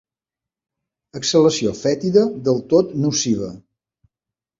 Exhalació fètida, del tot nociva.